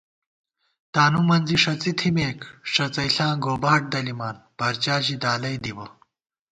تانُومنزے ݭَڅی تھِمېک، ݭَڅَئیݪاں گوباٹ دلِمان پرچا ژی دالَئ دِبہ